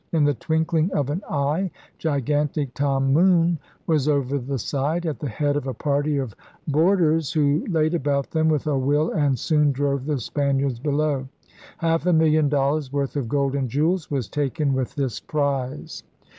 In the twinkling of an eye gigantic Tom Moone was over the side at the head of a party of board ers who laid about them with a will and soon drove the Spaniards below. Half a million dol lars' worth of gold and jewels was taken with this prize.